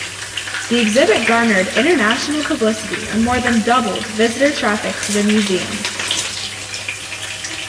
The exhibit garnered international publicity and more than doubled visitor traffic to the museum.